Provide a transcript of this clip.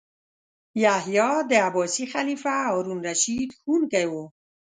یحیی د عباسي خلیفه هارون الرشید ښوونکی و.